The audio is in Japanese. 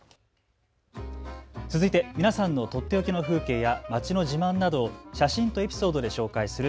続いて皆さんのとっておきの風景や街の自慢などを写真とエピソードで紹介する＃